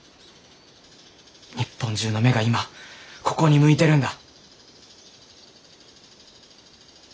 日本中の目が今ここに向いてるんだ。